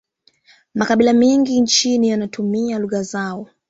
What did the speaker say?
makabila mengi nchini yanatumia lugha zao